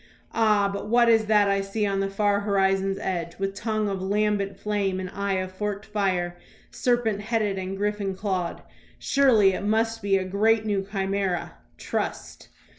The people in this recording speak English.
Ah, but what is that I see on the far horizon's edge, with tongue of lambent flame and eye of forked fire, serpent headed and griffin clawed? Surely it must be the great new chimera "Trust."